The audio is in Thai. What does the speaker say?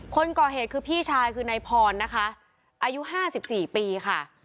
คนก่อเหตุคือพี่ชายคือนายพรนะคะอายุ๕๔ปีค่ะ